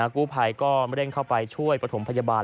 กู้ภัยก็เร่งเข้าไปช่วยประถมพยาบาล